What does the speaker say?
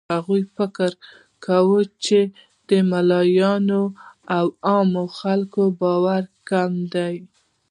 هغه فکر کاوه چې د ملایانو او عامو خلکو باور کم دی.